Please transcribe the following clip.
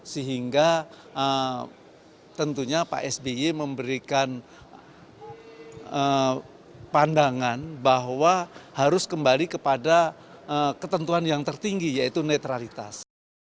sehingga tentunya pak sby memberikan pandangan bahwa harus kembali kepada ketentuan yang tertinggi yaitu netralitas